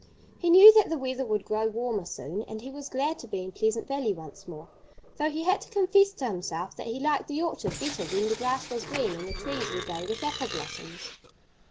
He knew that the weather would grow warmer soon; and he was glad to be in Pleasant Valley once more, though he had to confess to himself that he liked the orchard better when the grass was green and the trees were gay with apple blossoms.